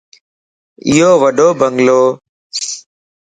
ايو وڏو بنگلوَ